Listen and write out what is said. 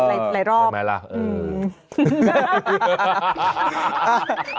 ใช่ไหมล่ะอืม